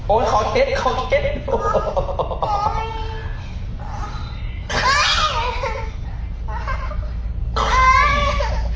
โอ้ยขอเท็จขอเท็จ